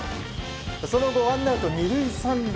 その後、ワンアウト２塁３塁。